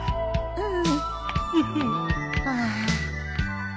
うん？